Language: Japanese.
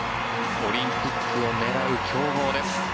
オリンピックを狙う強豪です。